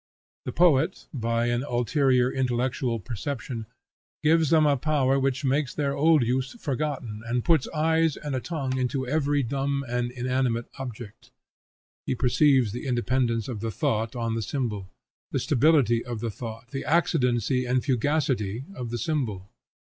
The poet, by an ulterior intellectual perception, gives them a power which makes their old use forgotten, and puts eyes and a tongue into every dumb and inanimate object. He perceives the independence of the thought on the symbol, the stability of the thought, the accidency and fugacity of the symbol.